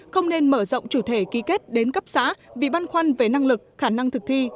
không nên mở rộng chủ thể ký kết đến cấp xã vì băn khoăn về năng lực khả năng thực thi